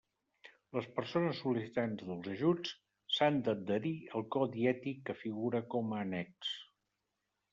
Les persones sol·licitants dels ajuts s'han d'adherir al codi ètic que figura com a annex.